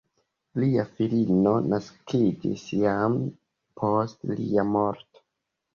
Lia filino naskiĝis jam post lia morto.